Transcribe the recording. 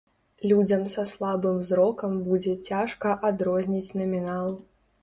Людзям са слабым зрокам будзе цяжка адрозніць намінал.